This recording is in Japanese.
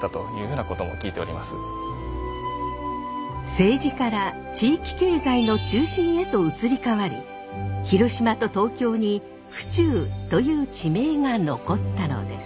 政治から地域経済の中心へと移り変わり広島と東京に府中という地名が残ったのです。